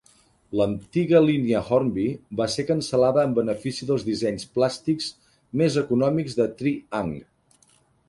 L'antiga línia Hornby va ser cancel·lada en benefici dels dissenys plàstics més econòmics de Tri-ang.